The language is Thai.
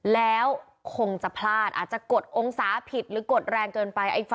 แล้วคงจะพลาดอาจจะกดองศาผิดหรือกดแรงเกินไป